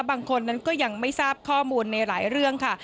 บางคนนั้นก็ยังไม่ทราบข้อมูลในหลายเรื่องค่ะ